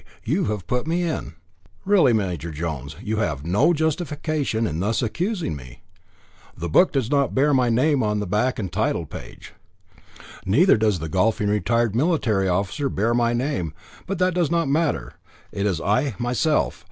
You have put me in." "Really, Major Jones, you have no justification in thus accusing me. The book does not bear my name on the back and title page." "Neither does the golfing retired military officer bear my name, but that does not matter. It is I myself.